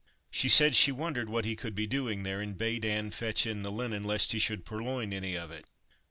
She said she wondered what he could be doing there, and bade Ann fetch in the linen, lest he should purloin any of it.